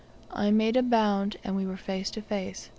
I made a bound, and we were face to face.